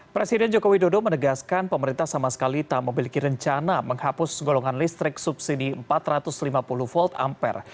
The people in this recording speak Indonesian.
presiden jokowi dodo menegaskan pemerintah sama sekali tak memiliki rencana menghapus golongan listrik subsidi empat ratus lima puluh volt ampere